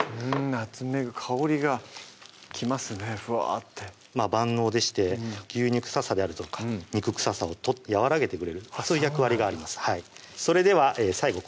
ナツメグ香りが来ますねフワッて万能でして牛乳臭さであるとか肉臭さを和らげてくれるそういう役割がありますそうなんだ